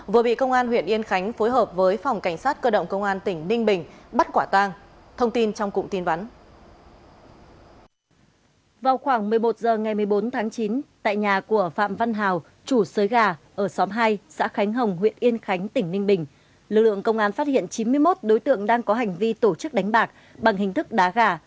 vừa bị công an huyện yên khánh phối hợp với phòng cảnh sát cơ động công an tỉnh ninh bình bắt quả tàng